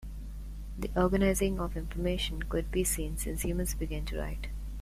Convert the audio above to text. The organizing of information could be seen since humans began to write.